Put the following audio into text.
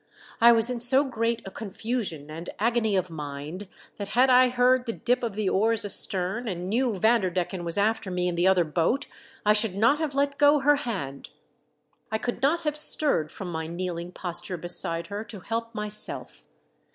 I was in so great a confusion and agony of mind that had I heard the dip of the oars astern and knew Vanderdecken was after me in the other boat, I should not have let go her hand. I could not have stirred from my kneeling posture beside her to help myself.